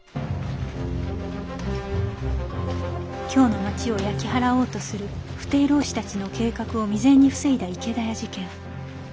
京の町を焼き払おうとする不逞浪士たちの計画を未然に防いだ池田屋事件。